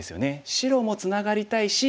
白もツナがりたいし